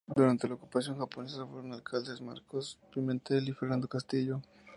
Durante la ocupación japonesa fueron alcaldes Marcos Pimentel y Fernando Castillo.